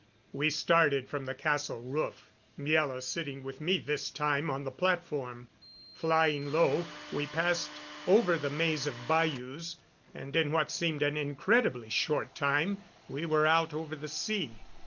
We started from the castle roof, Miela sitting with me this time on the platform. Flying low, we passed over the maze of bayous, and in what seemed an incredibly short time we were out over the sea.